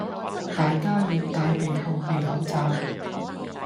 大家要帶備後備口罩